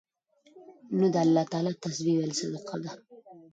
نو د الله تعالی تسبيح ويل صدقه ده